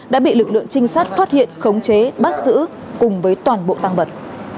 đã bị lực lượng trinh sát phát hiện khống chế bắt giữ cùng với toàn bộ tăng vật